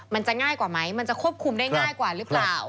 มันจะง่ายกว่าไหมมันจะควบคุมได้ง่ายกว่าหรือเปล่า